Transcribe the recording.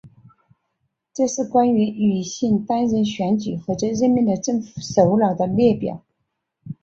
这是关于女性担任选举或者任命的政府首脑的列表。